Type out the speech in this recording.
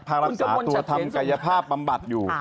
รักษาตัวทำกายภาพบำบัดอยู่